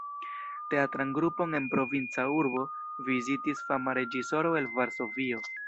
Teatran grupon en provinca urbo vizitis fama reĝisoro el Varsovio...